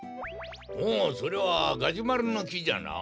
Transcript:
おおそれはガジュマルのきじゃな。